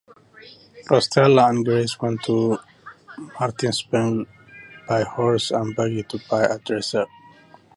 Rostella and Grace went to Martinsburg by horse and buggy to buy a dresser.